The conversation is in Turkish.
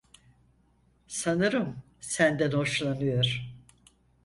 Sanırım senden hoşlanıyor.